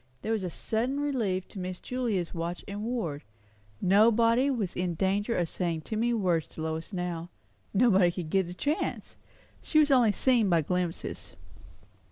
There was a sudden relief to Miss Julia's watch and ward; nobody was in danger of saying too many words to Lois now; nobody could get a chance; she was only seen by glimpses.